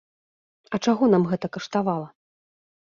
А чаго нам гэта каштавала?